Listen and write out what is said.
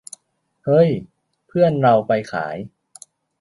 เฮ้ย เพื่อนเราไปขาย